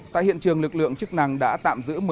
tại hiện trường lực lượng chức năng đã tạm giữ